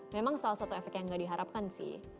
memang salah satu efek yang gak diharapkan sih